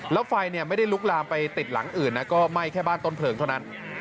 แล้วไฟไม่ได้ลุกลามไปติดหลังอื่นนะก็ไหม้แค่บ้านต้นเพลิงเท่านั้น